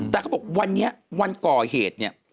แต่เขาบอกวันนี้วันก่อเหตุเนี่ย